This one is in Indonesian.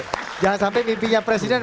jangan sampai mimpinya presiden